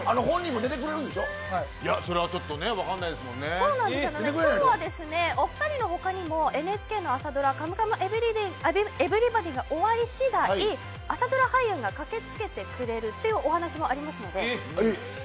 今日はお二人のほかにもＮＨＫの朝ドラ、「カムカムエヴリバディ」が終わり次第、朝ドラ俳優が駆けつけてくれるというお話もありますので。